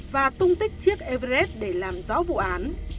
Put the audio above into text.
và tung tích chiếc everes để làm rõ vụ án